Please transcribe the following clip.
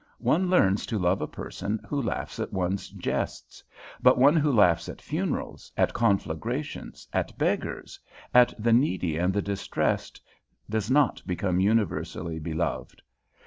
One learns to love a person who laughs at one's jests, but one who laughs at funerals, at conflagrations, at beggars, at the needy and the distressed, does not become universally beloved.